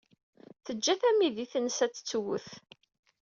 Teǧǧa tamidit-nnes ad tettwet.